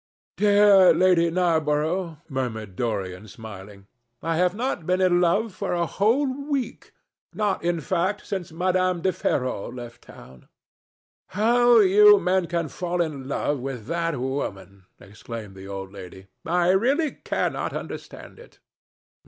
"Dear Lady Narborough," murmured Dorian, smiling, "I have not been in love for a whole week—not, in fact, since Madame de Ferrol left town." "How you men can fall in love with that woman!" exclaimed the old lady. "I really cannot understand it."